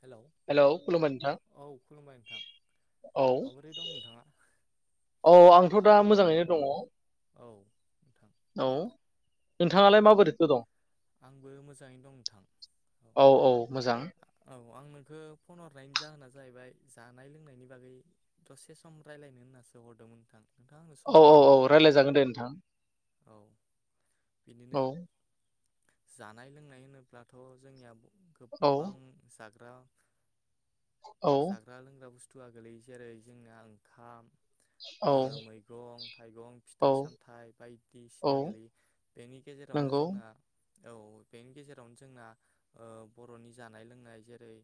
Hello खुलुमबाय नोंथां औ खुलुमबाय नोंथां। औ माबोरै दं नोंथाङा? औ आंथ' दा मोजाङैनो दङ। औ नोंथां औ नोंथाङालाय माबोरैथो दं? आंबो मोजाङैनो दं नोंथां औ औ आं नोंखो फन हरनायनि जाहोना जाहैबाय जानाय लोंनायनि बागै दसे सम राय्लायनो होननासो हरदोंमोन नोंथां। नोंथाङा आंनो सम औ होनो औ हागोन औ ना रायजलायजागोन दे नोंथां। औ बिनिनो औ जानाय लोंनाय होनोब्लाथ' जोंनिया औ गोबां जा ग्रा औ जाग्रा लोंग्रा बुस थुआ गोलैयो जेरै जोंना ओंखाम औ ओ मैगं थाइगं औ फिथाइ सामथाइ औ बायदिसिना गोलैयो बेनि गेजेरावनो नंगौ जोंना औ बेनि गेजेरावनो जोंना ओ बर'नि जानाय लोंनाय जेरै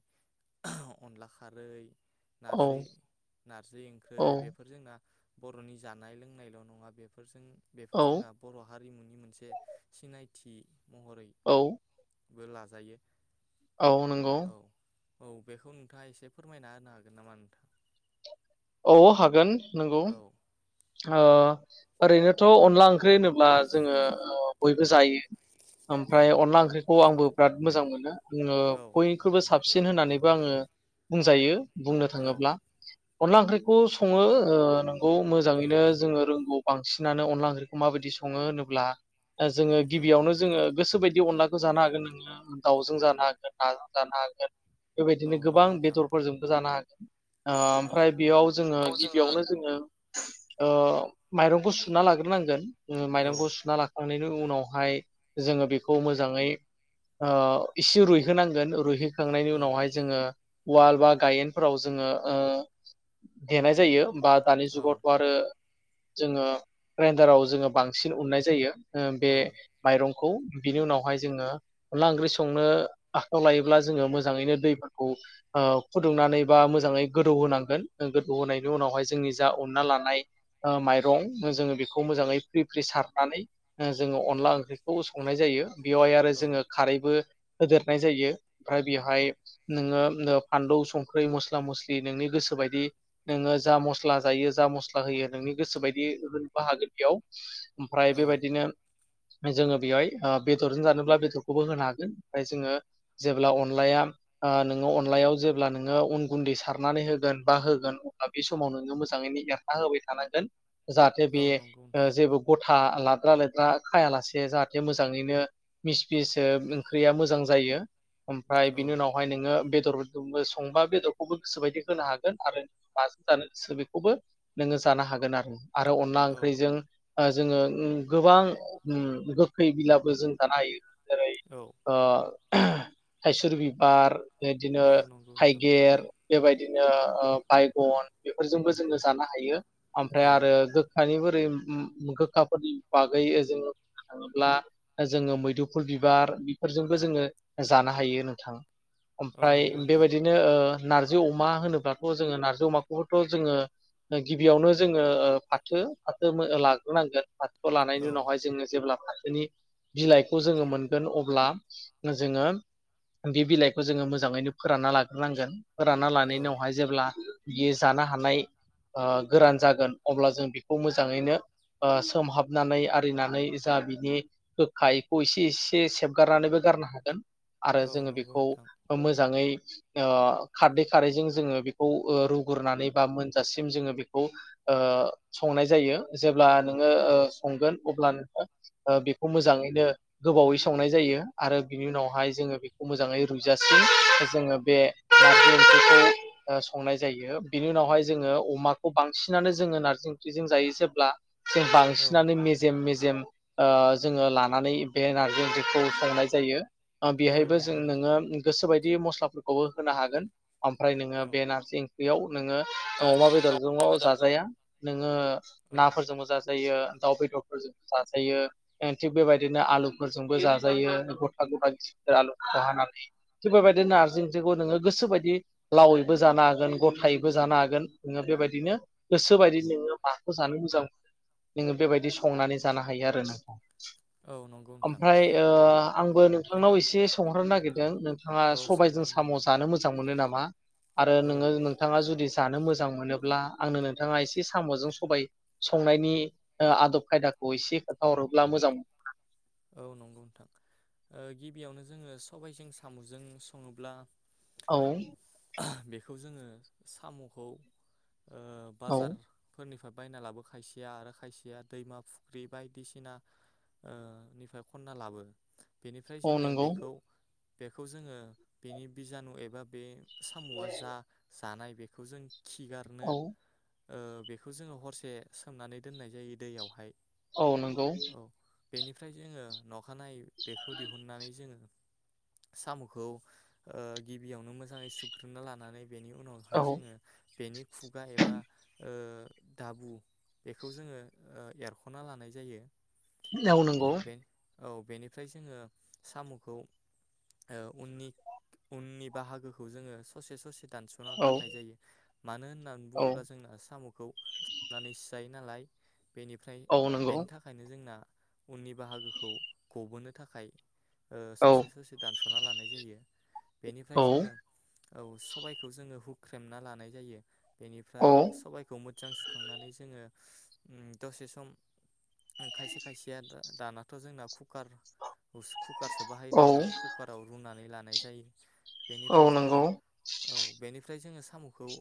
अनला खारै औ नारजि नारजि ओंख्रै औ बेफोर जोंना बर'नि जानाय लोंनायल' नङा बेफोरजों बेफोर औ जोंना बर' हारिमुनि मोनसे सिनाय थि। महरै औ बो लाजायो। औ नोंगौ। औ औ बेखौ नोंथाङा एसे फोरमायना होनो हागोन नामा नोंथां? औ हागोन। नोंगौ औ ओ ओरैनोथ' अनला ओंख्रि होनोब्ला जोङो ओ बयबो जायो। औ ओमफाय अनला नोंथां ओंख्रिखौ आंबो बिराद मोजां मोनो। जोङो औ बयनिख्रुइबो नंगौ नोंथां साबसिन होननानैबो आङो बुंजायो। बुंनो औ थाङोब्ला अनला ओंख्रैखौ सङो ओ नोंगौ मोजाङैनो जोङो रोंगौ बांसिनानो अनला ओंख्रिखौ माबायदि सङो होनोब्ला ओ जोङो औ गिबियावनो जोङो गोसो बायदि बिदि अनलाखौ जानो हागोन नोङो दाउजों जानो हागोन नाजों जानो हागोन। औ बेबायदिनो गोबां नंगौ नोंथां बेदरफोरजोंबो जानो हागोन। ओ औ ओमफ्राय बेयाव जोङो गिबियावनो जोङो ओ माइरंखौ सुना लाग्रोनांगोन। उम माइरंखौ सुना लाखांनाय नो उनावहाय जोङो बेखौ मोजाङै ओ इसे रुइहोनांगोन रुइहो खांनायनि औ उनावहाय जोङो उवाल बा गायेनफोराव जोङो ओ देनाय जायो। बा दानि औ जुगावथ' आरो जोङो ग्राइन्दाराव जोङो बांसिन उन्नाय जायो। ओ औ बे माइरं खौ बिनि उनावहाय जोङो अनला ओंख्रि संनो आखायाव लायोब्ला जोङो मोजाङैनो दैफोरखौ ओ फुदुंनानै बा मोजाङै गोदौ होनांगौ। गोन गोदौ होनायनि उनावहाय जोंनि जा उनना लानाय माइरं जोङो बेखौ मोजाङै फ्रि फ्रि सारनानै ओ जोङो अनला ओंख्रिखौ संनाय जायो। बेयावहाय आरो औ जोङो खारैबो होदेरनाय जायो ओमफ्राय बेवहाय नोङो ओ फानलौ संख्रि मस्ला मस्लि नोंनि गोसो [unintelligible] बायदि नोङो जा मस्ला जायो जा मस्ला होयो नोंनि गोसो बायदि [unintelligible] बेयाव। ओमफ्राय औ बेबायदिनो जोङो बेवाय ओ बेदरजों जानोब्ला बेदरखौबो होनो हागोन [unintelligible] जोङो जेब्ला अनलाया ओ नोङो अनलायाव जेब्ला नोङो उन गुन्दै सारनानै होगोन बा होगोन अब्ला बे समाव नोङो मोजाङैनो एरना होबाय थानांगोन। जाहाथे बे औ नंगौ ओ नोंथां जेबो गथा [unintelligible] [unintelligible] खायालासे जाहाथे मोजाङैनो मिसमिस ओ ओंख्रैया मोजां जायो। ओमफ्राय औ बिनि उनावहाय नोङो बेदरफोरखौबो मोस [unintelligible] बेदरखौबो गोसोबायदि होनो हाग गोन आरो माजों जानो [unintelligible] बेखौबो नोङो जानो हागोन आरो। आरो अनला औ ओंख्रैजों ओ जोङो उम गोबां उम गोखै गिलाबो जों जानो हायो। जेरै औ ओ [unintelligible] थायसुर बिबार बेदिनो औ नंगौ नोंथां थाइगिर बेबायद दिनो ओ बायगन बेफोरजोंबो जोङो जानो हायो। ओमफ्राय औ आरो गोखानिबो [unintelligible] गोखाफोरनि बागै ओ [unintelligible] थाङोब्ला जोङो मैदुफुल बिबार बिफोरजोंबो जोङो जानो हायो नोंथां। औ ओमफ्राय नंगौ नोंथां बेबायदिनो ओ नारजि अमा होनोब्ला [unintelligible] जोङो नारजि अमाखौबोथ' जोङो गिबियावनो जोङो ओ फाथो फाथो मो ओ लाग्रोनांगोन। फाथोखौ लानायनि औ उनावहाय जोङो जेब्ला फाथोनि बिलाइखौ जोङो मोनगोन अब्ला जोङो बि बिलाइखौ जोङो मोजाङैनो फोरानना लाग्रोनांगोन। फोरानना औ लानाय न ब्ला बियो जानो हानाय ओ गोरान जागोन अब्ला जों बिखौ मोजाङैनो ओ सोमहाबनानै आरिनानै जा बिनि गोखा इखौ एसे एसे सेबगारनानैबो गारनो हागोन। आरो औ जोङो नंगौ बेखौ नोंथां ओ मोजाङै ओ खारदै खारैजों ज जोङो बेखौ ओ रुग्रोनानै बा मोनजासिम जोङो बेखौ ओ संनाय जायो जेब्ला नोङो ओ संगोन अब्ला [unintelligible] बेखौ मोजाङैनो गोबावै संनाय जायो आरो बिनि उनावहाय जोङो बेखौ मोजाङै रुइजासिम जोङो बे [inaudible] ओ संनाय जायो बिनि उनावहाय जोङो अमाखौ बांसिनानो जोङो नारजि ओंख्रिजों जायो [unintelligible] [unintelligible] औ बांसिनानो मेजेम मेजेम ओ जोङो लानानै बे नारजि ओंख्रिखौ संनाय जायो। ओ औ बेहायबो जों नंगौ नोंथां नोङो गोसोबायदि मस्लाफोर खौबो होनो हागोन ओमफ्राय औ बे नारजि ओंख्रियाव नोङो अमा बेदरजोंल' जाजाया नोङो औ नाफोरजोंबो जाजायो दाउ बेदरफोरजोंबो जाजायो थिग बेबायदिनो आलुफोरजोंबो जाजायो गथा गथा [unintelligible] आलुफोरखौ हानानै थिग बेबायदिनो नारजि [unintelligible] नोङो गोसोबायदि लावै बो जानो हागोन गथायैबो जानो हागोन नोङो बेबायदिनो गोसोबायदि नोङो माखौ जानो मोजां मोनो नोङो बेबायदि संनानै जानो हायो आरो औ नंगौ [unintelligible] नोंथां ओमफ्राय ओ आंबो नोंथांनाव एसे सोंहरनो नागिरदों नों थाङा औ सबायजों सोंजागोन साम' नोंथां जानो मोजां मोनो नामा? आरो औ नोङो नोंथाङा जुदि जानो मोजा जां मोनोब्ला आंनो नोंथाङा एसे साम'जों सबाय संनायनि ओ आदब खायदाखौ एसे खोन्थाहरोब्ला मोजां मोन औ नंगौ नोंथां ओ गिबियावनो जोङो सबायजों साम'जों सङोब्ला औ बेखौ जोङो साम'खौ ओ औ बाजारफोरनिफा बायना लाबो खायसेया आरो खायसेया दैमा फुख्रि बायदिसिना ओ निफ्राय खनना लाबो बेनिफ्राय औ जोङो नंगौ बेखौ बेखौ जोङो बेनि बिजानु एबा बे साम'आ जा दानाय बेखौ जों खिगारनो औ ओ बेखौ जोङो हरसे सोमनानै दोननाय जायो दैयावहाय औ नोंगौ औ बेनिफ्राय जोङो न अखानायै बेखौ दिहुननानै जोङो सामुखौ ओ गिबियावनो मोजाङै सुग्रोना लानानै बेनि औ उनावहाय जोङो बेनि खुगा एबा ओ दाबु बेखौ जोङो ओ एरख'ना लानाय जायो। औ नोंगौ औ बेनिफ्राय जोङो सामुखौ ओ उननि उननि बाहागोखौ जोङो ससे ससे दानसना औ गारनाय जायो मानो होननानै औ बुङोब्ला जोंना सामु खौ सोबनानैसो जायो नालाय बेनिफ्राय औ नंगौ बेनि थाख नो जोंना उननि बाहागोखौ गबोनो थाखाय ओ औ ससे ससे दान्स सना लानाय जायो। बेनिफ्राय जोङो औ सबायखौ जोङो हुख्रेमना लानाय जायो औ बेनिफ्राय सबाइखौ मो मोजां सुखांनानै जोङो उम दसे सम खायसे खायसेया दानाथ' जोंना कुकार कुकारसो बाहायो औ नालाय कुकाराव रुनानै लानो नाय जायो औ बेनिफ्राय जोङो नंगौ औ बेनिफ्राय जोङो साम'खौ ओ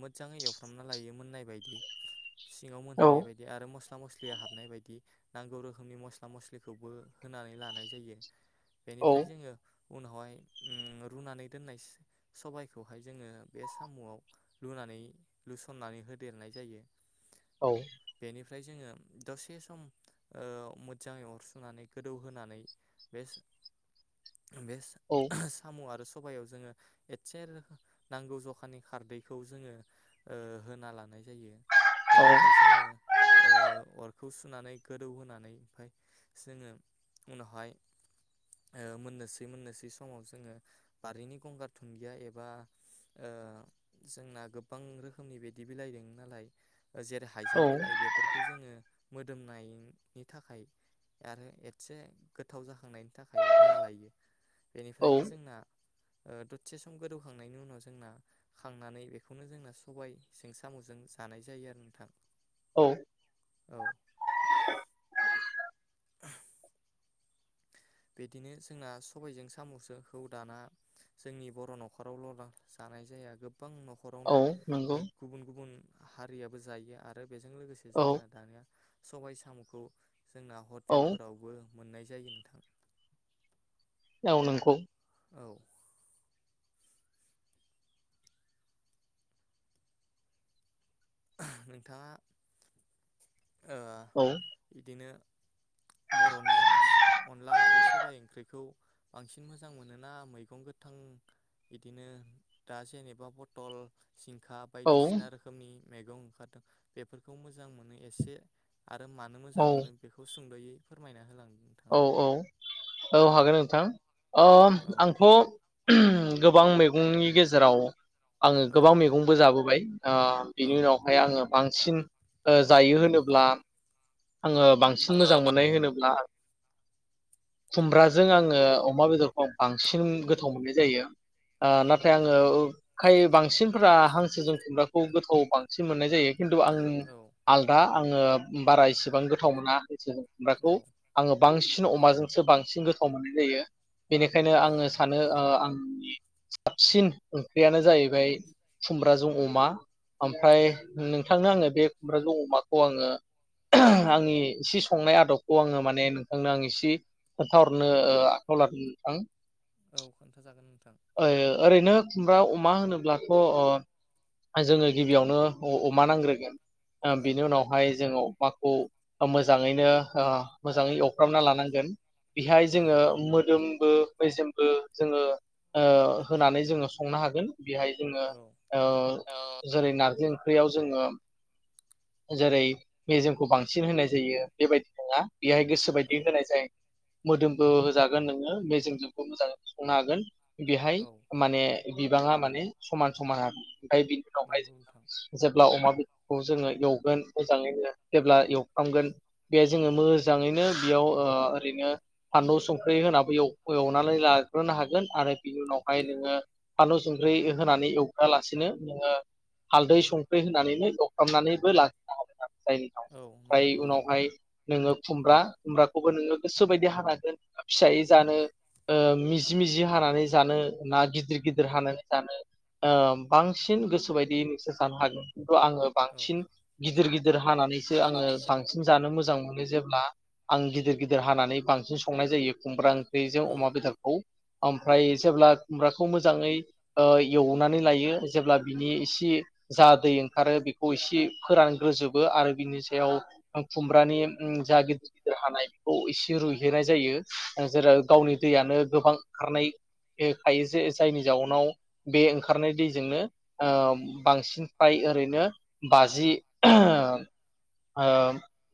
मोजाङै एवफ्रामना लायो मोननाय बायदि सिङाव औ मोनहैनाय बायदि आरो मस [unintelligible] या हाबनाय बायदि नांगौ रोखोमनि मस्ला मस्लिखौबो होनानै लानाय जायो औ बेनिफ्राय जोङो उनावहाय उम रुनानै दोननाय स सबायखौहाय जोङो बे साम'आव लुनानै लुसननानै होदेरनाय जायो औ ओमफ्राय जोङो दसे सम ओ मोजाङै अरसुनानै गोदौहोनानै बे। बे स औ साम' आरो। स'बायाव जोङो एसे नांगौ जखानि खारदैखौ जोङो ओ होना लानाय। जायो बेनिफ्राय जोङो ओ। अरखौ सुनानै गोदौ होनोनानै ओमफाय जोङो उनावहाय ओ मोननोसै मोननोसै समाव जोङो बारिनि गंगार थुनदिया एबा ओ जोंना गोबां रोखोमनि बिदि बिलाइदों नालाय। जेरै हाइजें बिलाइ बेफोरखौ जोङो। मोदोमनायनि थाखाय आरो एसे गोथाव जाखा। थांनायनि थाखाय होना लायो औ बेनिफ्रायनो जोंना। ओ दरसे सम गोदौखांनायनि उनाव जोंना खांनानै बेखौनो जोंना सबायजों साम'जों जानाय जायो आरो नोंथां। औ। औ। [unintelligible] बिदिनो जोंना सबायजों साम'खौ दाना जोंनि बर' न'खरावल' जानाय जाया गोब। गोबां औ न'खरावनो ओ नंगौ गुबुन गुबुन। हारियाबो जायो आरो। बेजों लोगोसे औ जोंना दानिया। सबाय साम'खौ। जोंना औ हटेलफोरावबो। मोननाय जायो नोंथां। औ नोंखौ। औ। नोंथाङा। ओ औ इदिनो। बर'नि अनला ओंख्रि सबाय ओंख्रिखौ बांसिन मोजां मोनोना मैगं गोथां बिदिनो दा जेनेबा बतल। जिंखा औ बायदिसिना रोखोमनि। मैगं ओंखारदों बेफोरखौ मोजां मोनो एसे। आरो मानो मोजां मोनो बेखौसो सुंद'यै फोरमायना होलांदों। नोंथाङा औ-औ-औ औ हागोन नोंथां ओ औ आंथ' गोबां मैगंनि गेजेराव आङो औ गोबां नोंथां मैगंबो जाबोबाय ओ औ बिनि उनावहाय आङो बां सिन जायो होनोब्ला आङो बांसिन मोजां मोननाय होनोब्ला खुमब्राजों आङो अमा बेदरखौ आं बांसिन गोथाव मोननाय जायो। ओ औ नाथाय नंगौ आङो नोंथां खाय बांसिनफोरा हांसोजों खुमब्राखौ गोथाव बांसिन मोननाय जायो। खिन्थु आं औ आलदा आङो बारा एसे बां गोथाव मोना [unintelligible] औ खुम्ब्राखौ आङो बांसि न अमाजोंसो बांसिन गोथाव मोननाय जायो। बेनिखायनो औ आङो नंगौ सानो ओ नोंथां आंनि साबसिन ओंख्रियानो जाहैबाय खुमब्राजों अमा। ओमफ्राय औ नोंथांनो आङो बे खुम्ब्राजों अमाखौ आङो आंनि इसे संनाय आदबखौ आङो माने नोंथांनो आं इसे खोन्थाहरनो आखायाव लादों नोंथां। औ खोन्थाजागोन नोंथां। ओ ओरैनो खुमब्रा अमा होनोब्लाथ' अ जोङो गिबियावनो अमा नांग्रोगोन। ओ औ बिनि उनावहाय जोङो अमाखौ मोजाङैनो ओ मोजाङै एवफ्रामना लानांगोन। बेहाय औ जोङो नोंथां मोदोमबो मेजेमबो जोङो ओ होनानै जोङो संनो हागोन। बेहाय जोङो औ ओ जेरै नारजै ओंख ख्रियाव जोङो जेरै मेजेमखौ बांसिन होनाय जायो बेबायदि नङा। बेहाय गोसो बायदि औ होनाय जायो। मोदोमबो होजागोन नोङो मेजेमजोंबो मोजाङै संनो हागोन। बेहाय औ माने बिबाङा माने नै समान समान [unintelligible] ओमफ्राय बिनि उनावहाय नंगौ जोङो नोंथां जेब्ला अमा बेदरखौ जोङो एवगोन [unintelligible] जेब्ला एवफ्रामगोन बे जोङो मोजाङैनो बेयाव ओरैनो फानलु संख्रि होनाबो एवनानै लाग्रोनो हागोन आरो बेनि उनावहाय नोङो फानलु संख्रि होनानै एवग्रोआ लासिनो ओ नोङो हालदै संख्रि होनानैनो एवफ्रामनानैबो लाग्रोनो हागोन आरो। [unintelligible] औ ओमफ्राय नंगौ नोंथां उनावहाय नोङो खुमब्रा खुमब्राखौबो नोङो गोसो बायदि हानागोन फिसायै जानो ओ मिजि मिजि हानानै जानो ना गिदिर गिदिर हानानै जानो ओ बांसिन गोसो बायदियै नोंसोर जानो हागोन। आङो औ बांसिन गिदिर गिदिर हानानैसो आङो हानानै बांसिन जानो मोजां मोनो। जेब्ला आं गिदिर गिदिर हानानै बांसिन संनाय जायो खुमब्रा ओं बेजों अमा औ बेदरखौ ओमफ्राय जेब्ला खुमब्राखौ मोजाङै ओ एवनानै लायो जेब्ला बिनि एसे जा दै ओंखारो बेखौ एसे फोरानग्रोजोब बो आरो बिनि सायाव खुमब्रानि ओम जा गिदिर गिदिर हानाय बेखौ एसे रुइहैनाय जायो जेराव गावनि दैयानो गोबां ओंखारनाय खायो जे जायनि जाउनाव बे ओंखारनाय दैजोंनो ओ बांसिन फ्राय ओरैनो बाजि ओ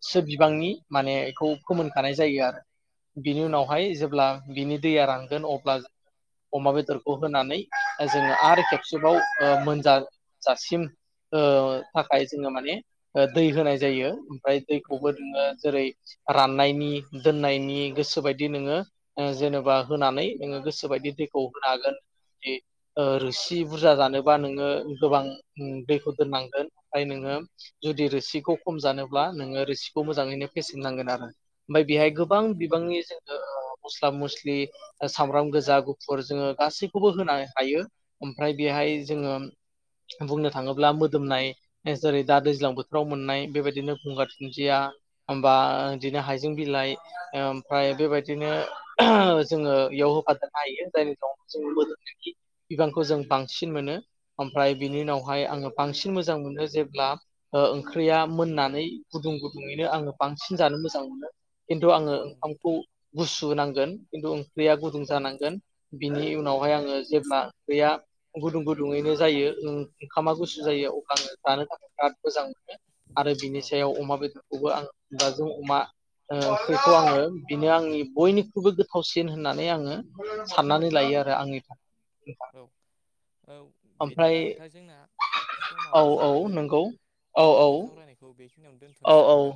सो बिबांनि माने बेखौ फोमोनखानाय जायो आरो। बिनि औ उनावहाय जेब्ला बिनि दैया रांगोन अब्ला अमा बेदरखौ होनानै जोङो आरो खेबसेबाव मोनजाजासिम ओ थाखाय जोङो माने दै होनाय जायो औ दैखौबो नोंथां नोङो जेरै रां सुनायनि दोननायनि गोसोबायदि नोङो ओ जेनेबा होनानै नोङो गोसो बायदि दैखौ होन हागोन ओ रोसि बुरजा जानोबा नोङो गोबां दैखौ दोननांगोन ओमफ्राय नोङो जुदि रोसिखौ खम जानोब्ला नोङो रोसिखौ मोजाङैनो फेसेन नांगोन आरो ओमफ्राय औ बेहाय गोबां नंगौ नोंथां बिबांनि जोङो मस्ला मस्लि सामब्राम गोजा गुफुर जोङो गासैखौबो होनो हायो। ओमफ्राय बेहाय औ जोङो बुंनो थाङोब्ला मोदोमनाय जेरै दा दैज्लां बोथोराव मोननाय बेबायदिनो गुंगार दुुनदिया होमबा बिदिनो हायजें बिलाइ ओमफ्राय बेबायदिनो जोङो बेयाव होफादेरनो हायो जायनि जाव जों मोदोमि बिबांखौ जों बांसिन मोनो। ओमफ्राय औ बिनि उनावहाय आङो बांसिन बि मोजां मोनो जेब्ला ओंख्रिया मोननानै गुदुं गुदुङैनो आङो बांसिन जानो मोजां मोनो। खिन्थु औ आङो नंगौ ओंखामखौ नोंथां गुसु नांगोन खिन्थु औ ओंख्रिया गुदुं जानांगोन बिनि उन उनावहाय आङो जेब्ला गैया गुदुं गुदुङैनो जायो ओंखामा गुसु जायो अब्लानो जानो थाखाय बिराद मोजां मोनो आरो बिनि औ सायाव अमा बेदर खौ आं दाजों अमाफोरखौ आङो बिनो आंनि बयनिख्रुइबो गोथावसिन होननानै आङो साननानै लायो आरो आंनि थाखाय। औ औ ओमफ्राय बिदिब्ला नोंथाङा जोंना औ समाबो औ जाबायमोन? नंगौ औ औ दिनैनि सावरायनायखौ बि औ औ।